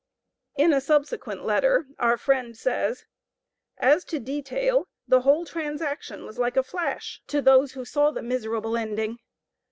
In a subsequent letter, our friend says: "As to detail, the whole transaction was like a flash to those who saw the miserable ending.